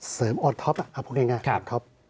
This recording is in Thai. เสริมอดท็อปนะครับพูดง่ายครับ